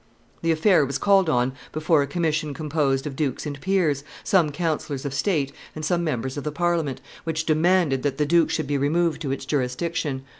The affair was called on before a commission composed of dukes and peers, some councillors of state and some members of the Parliament, which demanded that the duke should be removed to its jurisdiction.